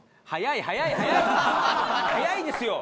早いですよ！